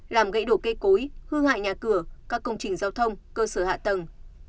làm gãy đổ cây cối hư hại nhà cửa các công trình giao thông cơ sở hạ tầng